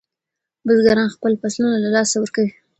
بزګران خپل فصلونه له لاسه ورکوي.